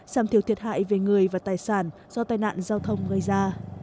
giảm thiểu thiệt hại về người và tài sản do tai nạn giao thông gây ra